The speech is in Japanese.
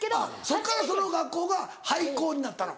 そっからその学校がハイコウになったの？